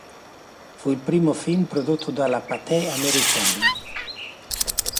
Fu il primo film prodotto dalla Pathé americana.